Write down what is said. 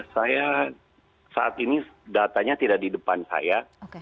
saya saat ini datanya tidak di depan saya